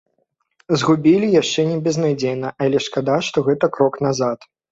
Згубілі яшчэ не безнадзейна, але шкада, што гэта крок назад.